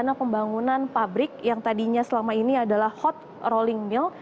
rencana pembangunan pabrik yang tadinya selama ini adalah hot rolling mill